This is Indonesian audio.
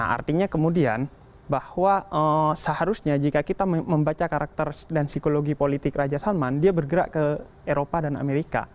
artinya kemudian bahwa seharusnya jika kita membaca karakter dan psikologi politik raja salman dia bergerak ke eropa dan amerika